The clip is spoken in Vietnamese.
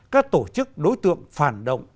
các tổ chức đối tượng phản động